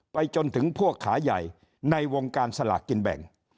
จนถึงพวกขาใหญ่ในวงการสลากกินแบ่ง